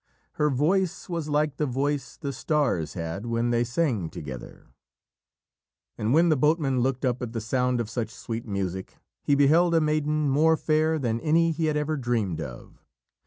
"Her voice was like the voice the stars Had when they sang together." And when the boatman looked up at the sound of such sweet music, he beheld a maiden more fair than any he had ever dreamed of.